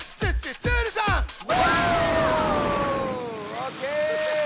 オーケー。